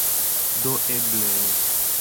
Do eble...